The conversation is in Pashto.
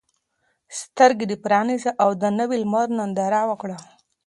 سترګې دې پرانیزه او د نوي لمر ننداره وکړه.